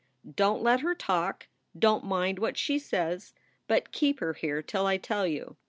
Don t let her talk. Don t mind what she says. But keep her here till I tell you."